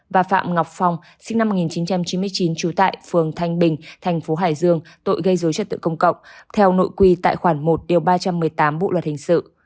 và phạm ngọc phong sinh năm một nghìn chín trăm chín mươi chín trú tại phường thanh bình thành phố hải dương tội gây dối trật tự công cộng theo nội quy tại khoản một ba trăm một mươi tám bộ luật hình sự